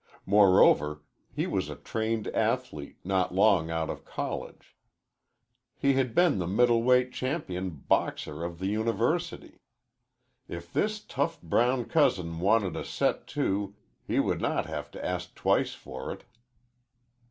Moreover, he was a trained athlete, not long out of college. He had been the middle weight champion boxer of the university. If this tough brown cousin wanted a set to, he would not have to ask twice for it.